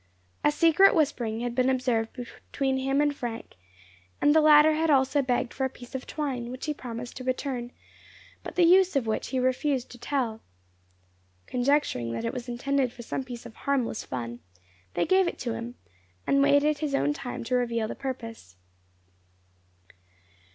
A secret whispering had been observed between him and Frank; and the latter had also begged for a piece of twine, which he promised to return, but the use of which he refused to tell. Conjecturing that it was intended for some piece of harmless fun, they gave it to him, and waited his own time to reveal the purpose.